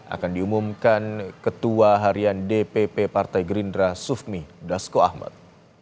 akan diumumkan ketua harian dpp partai gerindra sufmi dasko ahmad